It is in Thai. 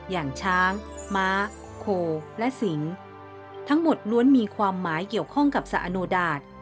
อย่างช้างม้าโคและสิงทั้งหมดล้วนมีความหมายเกี่ยวข้องกับสะอโนดาต